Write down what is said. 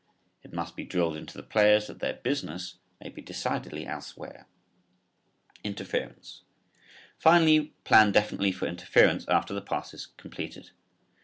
It must be drilled into the players that their "business" may be decidedly elsewhere. INTERFERENCE. Finally, plan definitely for interference after the pass is completed.